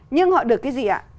nhưng họ được cái gì ạ